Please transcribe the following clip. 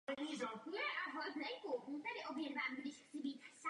Peníze na novou halu poskytla i Evropská unie.